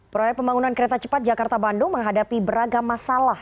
proyek pembangunan kereta cepat jakarta bandung menghadapi beragam masalah